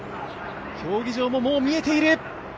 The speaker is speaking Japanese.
競技場も、もう見えている。